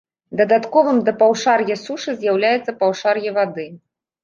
Дадатковым да паўшар'я сушы з'яўляецца паўшар'е вады.